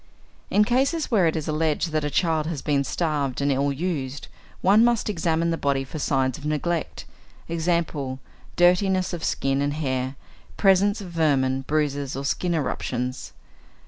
In cases where it is alleged that a child has been starved and ill used, one must examine the body for signs of neglect e.g., dirtiness of skin and hair, presence of vermin, bruises or skin eruptions.